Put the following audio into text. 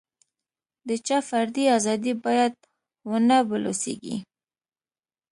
د چا فردي ازادي باید ونه بلوسېږي.